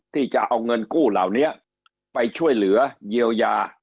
ที่จะเอาเงินกู้เหล่านี้ไปช่วยเหลือเยียวยา